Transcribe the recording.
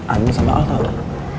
adin sama al tau gak